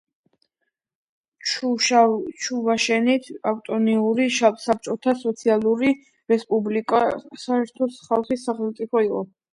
ჩუვაშეთის ავტონომიური საბჭოთა სოციალისტური რესპუბლიკა საერთო-სახალხო სახელმწიფო იყო.